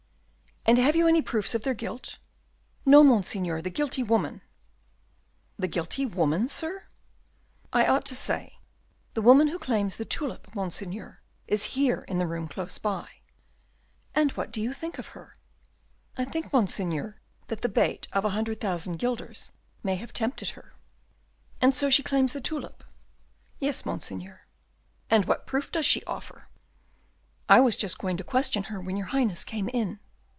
"And have you any proofs of their guilt?" "No, Monseigneur, the guilty woman " "The guilty woman, Sir?" "I ought to say, the woman who claims the tulip, Monseigneur, is here in the room close by." "And what do you think of her?" "I think, Monseigneur, that the bait of a hundred thousand guilders may have tempted her." "And so she claims the tulip?" "Yes Monseigneur." "And what proof does she offer?" "I was just going to question her when your Highness came in."